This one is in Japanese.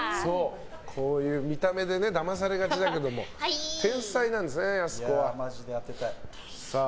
こういう見た目でだまされがちだったけど天才なんですね、やす子は。